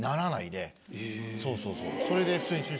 そうそうそうそれで。